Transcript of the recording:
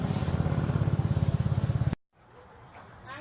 ทุกวันใหม่ทุกวันใหม่ทุกวันใหม่